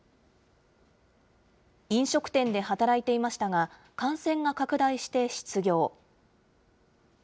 飲食店で働いていましたが、感染が拡大して失業。